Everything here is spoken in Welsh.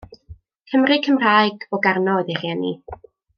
Cymry Cymraeg o Garno oedd ei rieni.